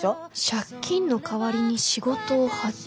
借金の代わりに仕事を発注？